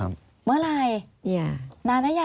อันดับ๖๓๕จัดใช้วิจิตร